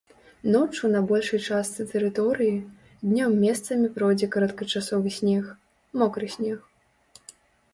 Ноччу на большай частцы тэрыторыі, днём месцамі пройдзе кароткачасовы снег, мокры снег.